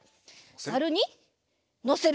ざるにのせる！